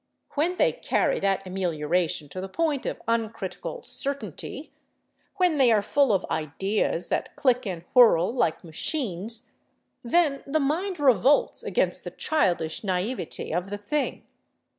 When they carry that amelioration to the point of uncritical certainty, when they are full of "ideas" that click and whirl like machines, then the mind revolts against the childish naïveté of the thing.